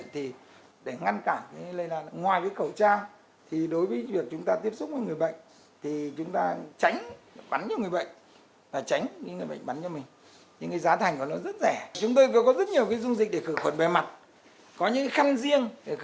thì cái này khử khuẩn rất dễ tái sử dụng chúng tôi khử khuẩn rất dễ